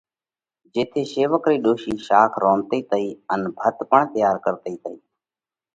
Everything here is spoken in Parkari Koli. جيٿئہ شيوَڪ رئِي ڏوشِي شاک رونڌتئِي تئِي، ان ڀت پڻ تئيار ڪرتئِي تئِي۔